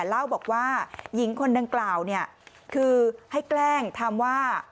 เล่าบอกว่าหญิงคนดังกล่าวเนี่ยคือให้แกล้งทำว่า